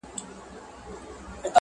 ما یې په جونګړو کي د سترګو غله لیدلي دي!